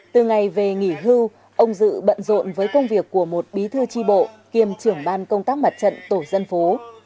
từ ngày về nghỉ hưu ông dự bận rộn với công việc của một bí thư tri bộ kiêm trưởng ban công tác mặt trận tổ dân phố